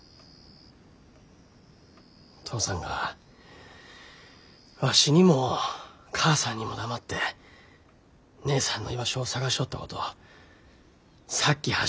父さんがわしにも母さんにも黙って義姉さんの居場所を捜しょうったことさっき初めて知った。